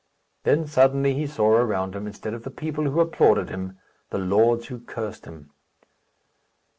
Then suddenly he saw around him, instead of the people who applauded him, the lords who cursed him.